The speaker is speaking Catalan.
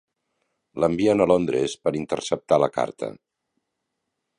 L'envien a Londres per interceptar la carta.